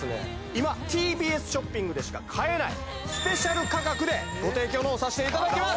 今ＴＢＳショッピングでしか買えないスペシャル価格でご提供の方させていただきます！